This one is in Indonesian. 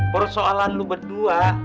persoalan lo berdua